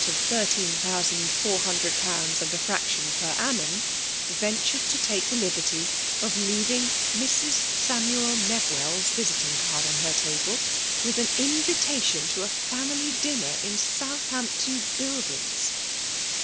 31^ of tnirteen thousand four hundred pounds and a fraction per annum, ventured to take the liberty of leaving " Mrs. Samuel NebwelVs*' visiting card on her table, with an invitation to a family dinner in Southampton Buildings